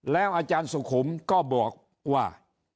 อาจารย์สุขุมก็บอกว่า